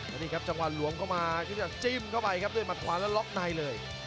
แล้วนี่ครับจังหวะหลวมเข้ามาที่จะจิ้มเข้าไปครับด้วยมัดขวาแล้วล็อกในเลย